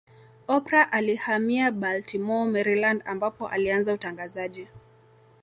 Oprah alihamia Baltimore Maryland ambapo alianza utangazaji